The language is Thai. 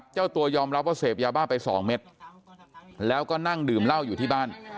เจ้าตัวยอมรับว่าเสพยาบ้าไปสองเม็ดแล้วก็นั่งดื่มเหล้าอยู่ที่บ้าน